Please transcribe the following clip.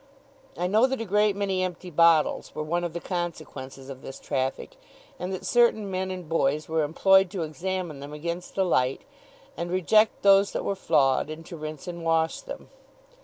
I know that a great many empty bottles were one of the consequences of this traffic, and that certain men and boys were employed to examine them against the light, and reject those that were flawed, and to rinse and wash them.